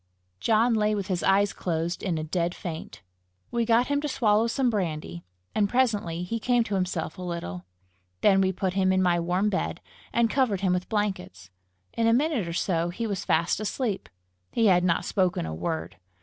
John lay with his eyes closed, in a dead faint. We got him to swallow some brandy, and presently he came to himself a little. Then we put him in my warm bed, and covered him with blankets. In a minute or so he was fast asleep. He had not spoken a word.